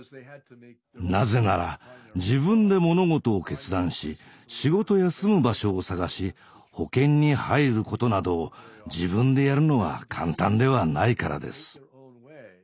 なぜなら自分で物事を決断し仕事や住む場所を探し保険に入ることなどを自分でやるのは簡単ではないからです。